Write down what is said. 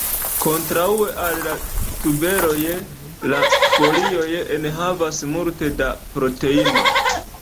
Kontraŭe al la tuberoj, la folioj enhavas multe da proteino.